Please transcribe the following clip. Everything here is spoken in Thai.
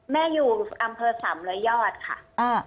แม่อยู่อำเภอสำระยอดค่ะ